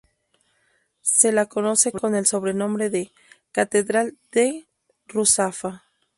Se la conoce con el sobrenombre de "Catedral de Ruzafa".